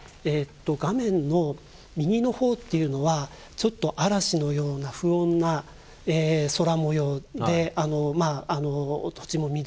画面の右のほうっていうのはちょっと嵐のような不穏な空もようでまあ土地も乱れてるんですね。